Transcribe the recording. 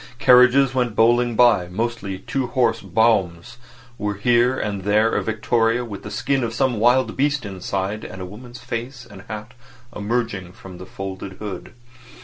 Carriages went bowling by, mostly two horse broughams, with here and there a victoria with the skin of some wild beast inside and a woman's face and hat emerging above the folded hood.